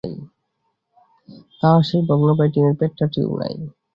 তাঁহার সেই ভগ্নপ্রায় টিনের পেঁটরা টিও নাই।